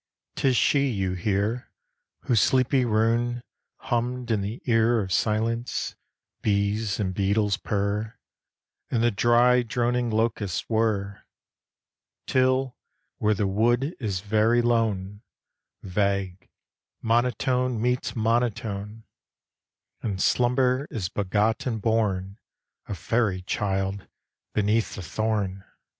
'Tis she you hear, Whose sleepy rune, hummed in the ear Of silence, bees and beetles purr, And the dry droning locusts whirr; Till, where the wood is very lone, Vague monotone meets monotone, And slumber is begot and born, A faery child, beneath the thorn.